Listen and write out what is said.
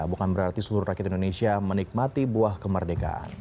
bukan berarti seluruh rakyat indonesia menikmati buah kemerdekaan